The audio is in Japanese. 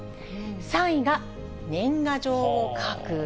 ３位が年賀状を書く。